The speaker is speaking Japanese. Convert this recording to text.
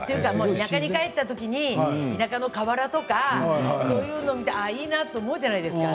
田舎に帰ったときに田舎の河原とかいいなと思うじゃないですか。